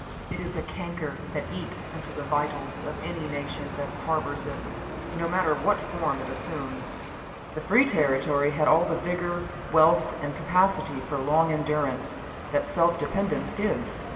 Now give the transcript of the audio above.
It is a canker that eats into the vitals of any nation that harbors it, no matter what form it assumes. The free territory had all the vigor, wealth and capacity for long endurance that self dependence gives.